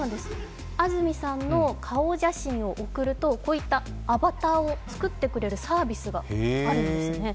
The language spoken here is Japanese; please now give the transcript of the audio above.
安住さんの顔写真を送るとこういったアバターを作ってくれるサービスがあるんですね。